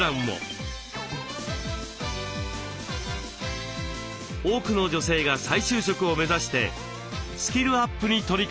多くの女性が再就職を目指してスキルアップに取り組んでいます。